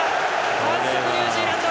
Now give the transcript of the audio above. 反則、ニュージーランド。